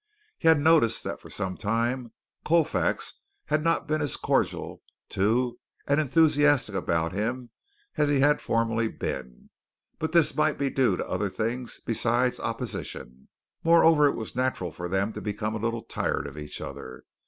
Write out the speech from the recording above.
He had noticed that for some time Colfax had not been as cordial to and as enthusiastic about him as he had formerly been, but this might be due to other things besides opposition. Moreover, it was natural for them to become a little tired of each other.